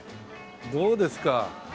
どうですか？